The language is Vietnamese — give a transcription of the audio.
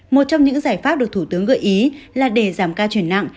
một trong những giải pháp được thủ tướng gợi ý là để giảm ca chuyển nặng